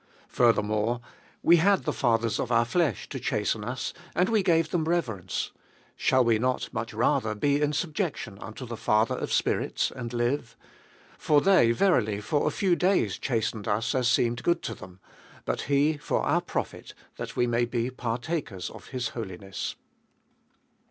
9. Furthermore, we had the fathers of our flesh to chasten us, and we gave them reverence: shall we not much rather be in subjection unto the Father of spirits, and live ? 10. For they verily for a few days chastened us as seemed good to them; but he for our profit, that we may be partakers of his holiness.